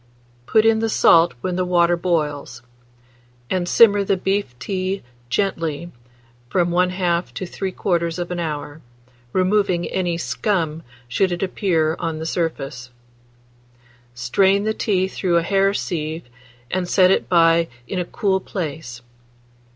Put in the salt when the water boils, and simmer the beef tea gently from 1/2 to 3/4 hour, removing any more scum should it appear on the surface. Strain the tea through a hair sieve, and set it by in a cool place.